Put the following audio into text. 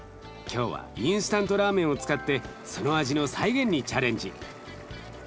今日はインスタントラーメンを使ってその味の再現にチャレンジ。